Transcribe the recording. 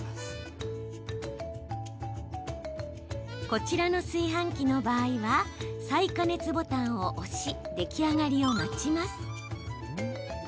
こちらの炊飯器の場合は再加熱ボタンを押し出来上がりを待ちます。